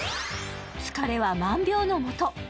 疲れは万病のもと。